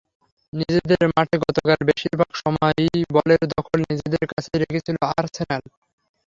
নিজেদের মাঠে গতকাল বেশির ভাগ সময়ই বলের দখল নিজেদের কাছেই রেখেছিল আর্সেনাল।